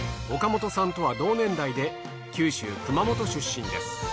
岡本さんとは同年代で九州熊本出身です。